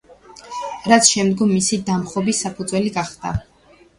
რაც შემდგომ მისი დამხობის საფუძველი გახდა.